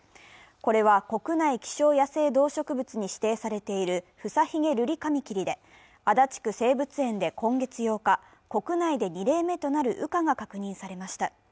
これは国内希少野生動植物に指定されているフサヒゲルリカミキリで足立区生物園で今月８日、国内で２例目となる羽化が確認されました。